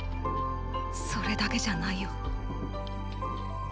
それだけじゃないよ。